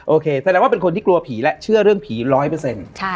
แสดงว่าเป็นคนที่กลัวผีและเชื่อเรื่องผีร้อยเปอร์เซ็นต์